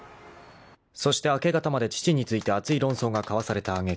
［そして明け方まで乳について熱い論争が交わされた揚げ句］